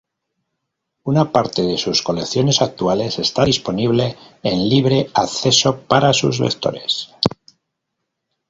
Una parte de sus colecciones actuales está disponible en libre acceso para sus lectores.